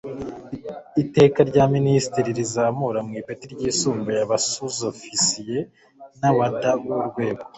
Iteka rya Minisitiri rizamura mu ipeti ryisumbuye Abasuzofisiye n Abawada b Urwego